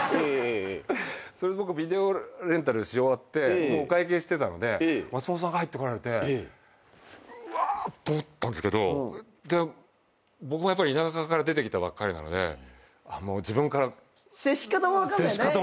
それで僕ビデオレンタルし終わってもうお会計してたので松本さんが入ってこられてうわぁと思ったんすけど僕は田舎から出てきたばっかりなので自分から接し方も分からないですし